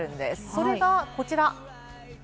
それがこちら。